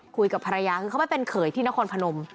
คุยกับภรรยาคือเขาไปเป็นเขยที่นครพนม